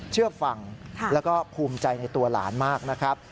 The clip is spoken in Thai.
เชื่อฟังแล้วก็ภูมิใจในตัวหลานมากนะครับ